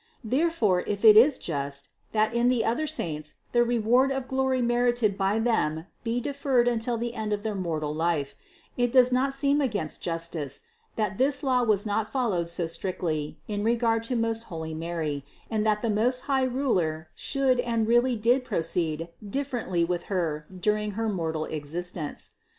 Therefore, if it is just, that in the other saints the reward of glory merited by them be deferred until the end of their mortal life: it does not seem against justice, that this law was not followed so strictly in re gard to most holy Mary and that the most high Ruler should and really did proceed differently with Her dur ing Her mortal existence.